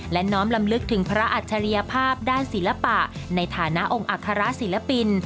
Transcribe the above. และน้อมลำลึกถึงพระอัจฉริยภาพด้านศิลปะในฐานะองค์อัครศิลปิน